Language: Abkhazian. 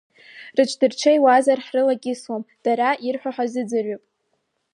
Рыҽдырҽеиуазар ҳрылакьысуам, дара ирҳәо ҳазыӡырҩып.